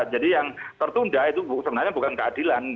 jadi yang tertunda itu sebenarnya bukan keadilan